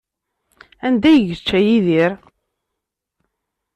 Anda ay yečča Yidir?